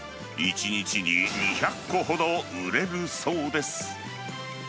１日に２００個ほど売れるそうです。